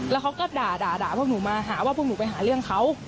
แล้วเขาก็ด่าพวกหนูมาหาว่าพวกหนูไปหาเรื่องเขา